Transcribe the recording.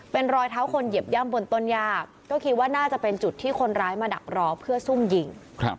เป็นรอยเท้าคนเหยียบย่ำบนต้นยากก็คิดว่าน่าจะเป็นจุดที่คนร้ายมาดักรอเพื่อซุ่มยิง